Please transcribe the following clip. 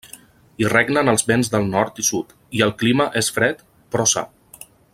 Hi regnen els vents del nord i sud, i el clima és fred, però sa.